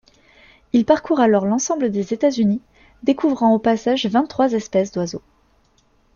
Il parcourt alors l'ensemble des États-Unis, découvrant au passage vingt-trois espèces d'oiseaux.